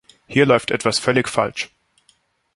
Hier läuft etwas völlig falsch.